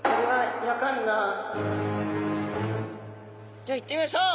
じゃいってみましょう！